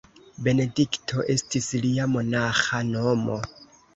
Benedikto estis lia monaĥa nomo.